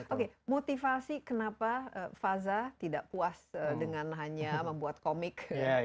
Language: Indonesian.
oke motivasi kenapa faza tidak puas dengan hanya membuat komik